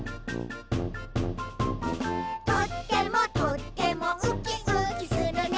「とってもとってもウキウキするね」